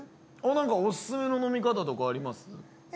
お勧めの飲み方とかあります？